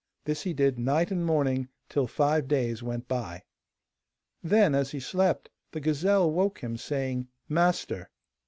This he did night and morning, till five days went by. Then, as he slept, the gazelle woke him, saying, 'Master.